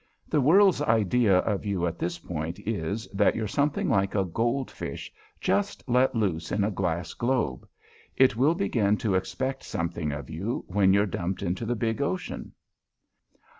The World's idea of you at this point is, that you're something like a gold fish just let loose in a glass globe. It will begin to expect something of you when you're dumped into the big Ocean.